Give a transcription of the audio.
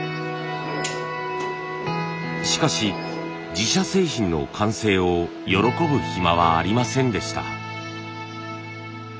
しかし自社製品の完成を喜ぶ暇はありませんでした。